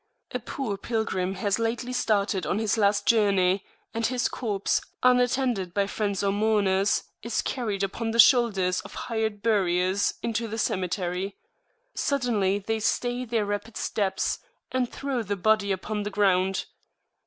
A poor pilgrim has lately started on his last journey, and his corpse, unattended by friends or mourners, is carried upon the shoulders of hired buriers into the cemetery. Suddenly they stay their rapid steps, and throw the body upon the ground.